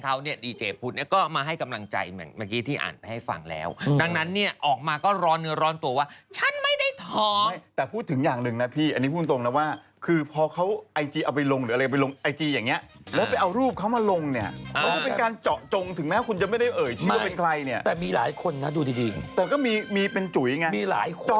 สาวฉันของฉันดีจแบบอะไรเด็ดกว่ามีเรื่องต้องให้หมาว